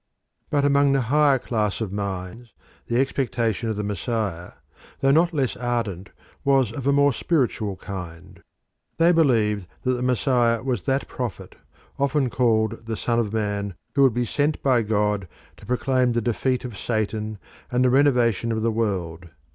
But among the higher class of minds the expectation of the Messiah, though not less ardent, was of a more spiritual kind. They believed that the Messiah was that prophet, often called the Son of Man who would be send by God to proclaim the defeat of Satan and the renovation of the world.